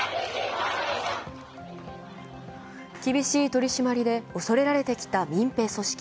厳しい取り締まりで恐れられてきた民兵組織